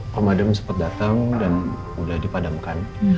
pemadam sempat datang dan sudah dipadamkan